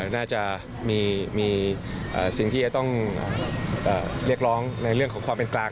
น่าจะมีสิ่งที่จะต้องเรียกร้องในเรื่องของความเป็นกลาง